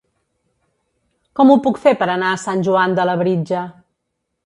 Com ho puc fer per anar a Sant Joan de Labritja?